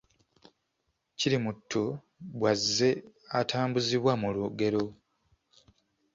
Kirimuttu bw’azze atambuzibwa mu lugero